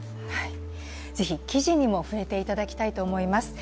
ぜひ記事にも触れていただきたいと思います。